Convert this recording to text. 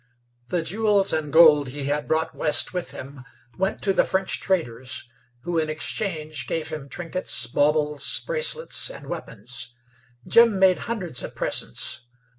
The jewels and gold he had brought west with him went to the French traders, who in exchange gave him trinkets, baubles, bracelets and weapons. Jim made hundreds of presents.